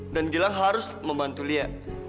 dan gilang harus membantu lia